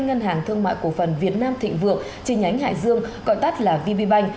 ngân hàng thương mại cổ phần việt nam thịnh vượng trình ánh hải dương gọi tắt là bb bank